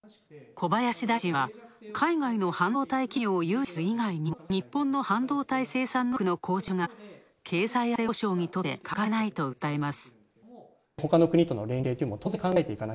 小林大臣は海外の半導体企業を誘致する以外にも、日本の半導体生産能力の向上が経済安全保障にとって欠かせないと訴えます。